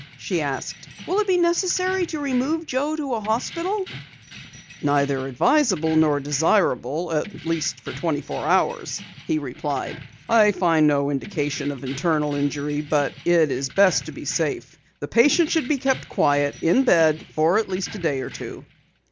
she asked. "Will it be necessary to remove Joe to a hospital?" "Neither advisable nor desirable for at least twenty four hours," he replied. "I find no indication of internal injury, but it is best to be safe. The patient should be kept quiet, in bed, for at least a day or two."